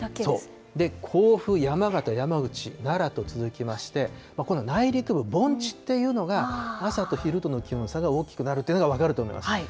そう、甲府、山形、山口、奈良と続きまして、この内陸部、盆地というのが、朝と昼との気温差が大きくなるというのが分かると思います。